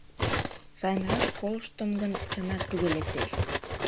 Сайынрак колыштым гын, чынак туге лектеш.